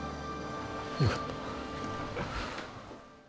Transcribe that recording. よかった。